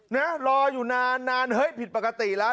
น้ารออยู่นานนานฮื้ยผิดปกตินะ